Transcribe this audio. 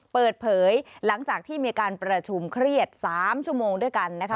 เปิดเผยหลังจากที่มีการประชุมเครียด๓ชั่วโมงด้วยกันนะคะ